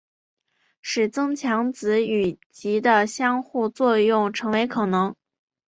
使增强子与及的相互作用成为可能。